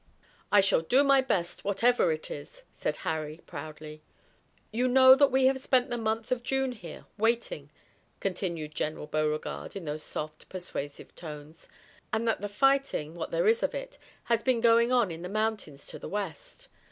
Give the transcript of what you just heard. "I shall do my best, whatever it is," said Harry, proudly. "You know that we have spent the month of June here, waiting," continued General Beauregard in those soft, persuasive tones, "and that the fighting, what there is of it, has been going on in the mountains to the west.